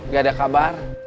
gak ada kabar